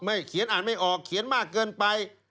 เขียนอ่านไม่ออกเขียนมากเกินไป